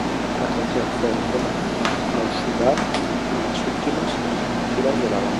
La canción fue el tema para clausurar las últimas giras de la banda.